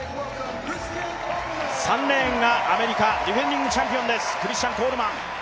３レーンがアメリカディフェンディングチャンピオンクリスチャン・コールマン。